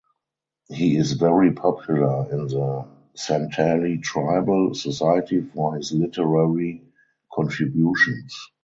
He is very popular in the Santali tribal society for his literary contributions.